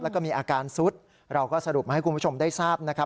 แล้วก็มีอาการซุดเราก็สรุปมาให้คุณผู้ชมได้ทราบนะครับ